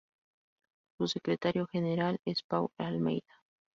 Su secretario general es Paúl Almeida.